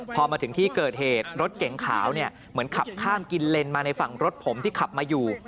พอมาถึงที่เกิดเหตุรถเก๋งขาวเนี่ยเหมือนขับข้ามกินเลนมาในฝั่งรถผมที่ขับมาอยู่